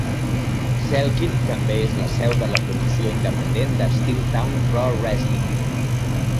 Selkirk també és la seu de la promoció independent de Steeltown Pro Wrestling.